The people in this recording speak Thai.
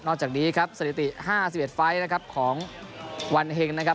จากนี้ครับสถิติ๕๑ไฟล์นะครับของวันเฮงนะครับ